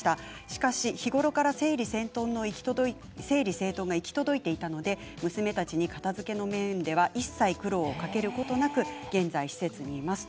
しかし日頃から整理整頓が行き届いていたので娘たちに片づけの面では一切苦労をかけることなく現在施設にいます。